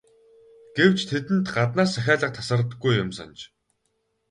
Гэвч тэдэнд гаднаас захиалга тасардаггүй юмсанж.